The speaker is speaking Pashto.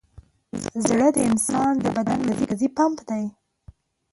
زړه د انسان د بدن مرکزي پمپ دی.